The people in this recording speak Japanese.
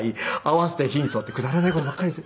「合わせて貧相」ってくだらない事ばっかり言って。